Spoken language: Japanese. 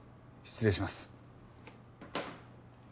失礼します。